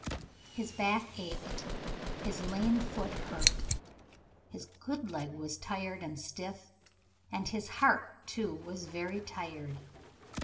His back ached; his lame foot hurt; his "good" leg was tired and stiff, and his heart, too, was very tired.